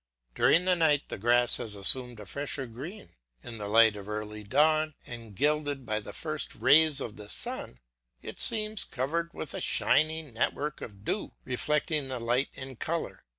During the night the grass has assumed a fresher green; in the light of early dawn, and gilded by the first rays of the sun, it seems covered with a shining network of dew reflecting the light and colour.